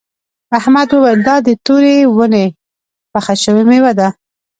احمد وویل دا د تورې ونې پخه شوې میوه ده.